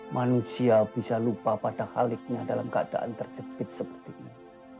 manusia bisa lupa pada khaliknya dalam keadaan terjepit seperti ini